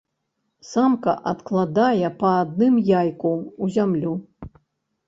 Самка адкладае па адным яйку ў зямлю.